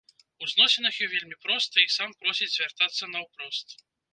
У зносінах ён вельмі просты і сам просіць звяртацца наўпрост.